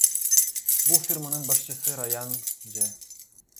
Бул фирманын башчысы Раян Ж.